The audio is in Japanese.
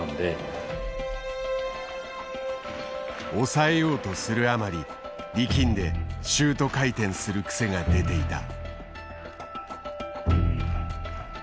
抑えようとするあまり力んでシュート回転する癖が出ていた。